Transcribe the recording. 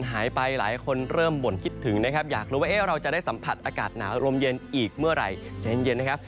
หายไปหลายคนเริ่มบ่นคิดถึงนะครับอยากรู้ว่าเราจะได้สัมผัสอากาศหนาวลมเย็นอีกเมื่อไหร่ใจเย็นนะครับ